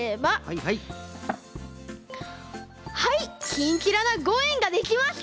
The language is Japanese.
キンキラな５えんができました！